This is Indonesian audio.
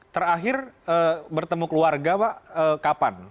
terakhir bertemu keluarga pak kapan